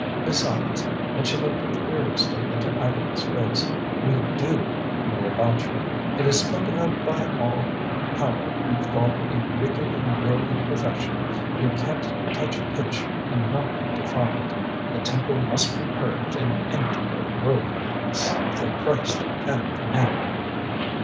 Besides," and she looked up fearlessly into Agatha's face, "we do know about you. It is spoken of by all how you follow a wicked and worldly profession. You can't touch pitch and not be defiled. The temple must be purged and emptied of worldliness before Christ can come in."